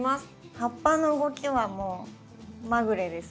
葉っぱの動きはもうまぐれです。